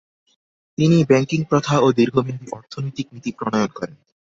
তিনি ব্যাংকিং প্রথা ও দীর্ঘ মেয়াদি অর্থনৈতিক নীতি প্রণয়ন করেন।